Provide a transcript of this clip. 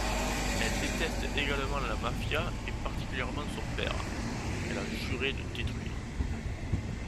Elle déteste également la mafia et particulièrement son père, qu'elle a juré de détruire.